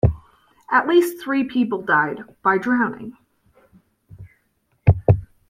At least three people died by drowning.